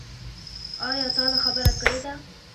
ايا تا دا خبره کړې ده ؟